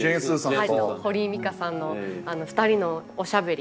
はい堀井美香さんの２人のおしゃべり。